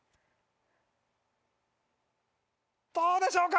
どうでしょうか！